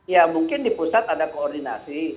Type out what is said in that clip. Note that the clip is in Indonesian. ya mungkin di pusat ada koordinasi